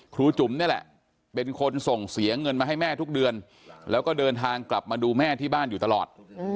จุ๋มนี่แหละเป็นคนส่งเสียเงินมาให้แม่ทุกเดือนแล้วก็เดินทางกลับมาดูแม่ที่บ้านอยู่ตลอด